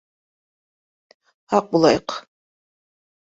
Һаҡ булайыҡ.